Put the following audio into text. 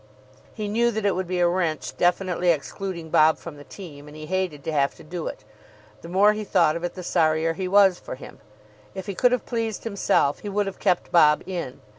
He knew that it would be a wrench definitely excluding Bob from the team, and he hated to have to do it. The more he thought of it, the sorrier he was for him. If he could have pleased himself, he would have kept Bob In.